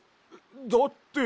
だって。